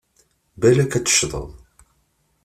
Balak ad teccḍeḍ!